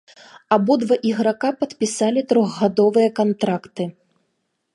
Абодва іграка падпісалі трохгадовыя кантракты.